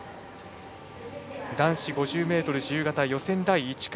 男子５０ｍ自由形予選第１組。